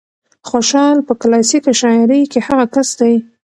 خوشال په کلاسيکه شاعرۍ کې هغه کس دى